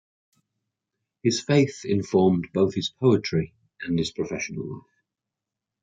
His faith informed both his poetry and his professional life.